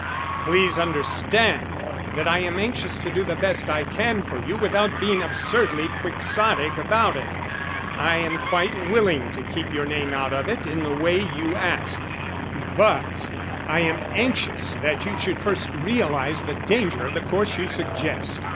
"Please understand that I am anxious to do the best I can for you without being absurdly quixotic about it. I am quite willing to keep your name out of it in the way you ask, but I am anxious that you should first realize the danger of the course you suggest.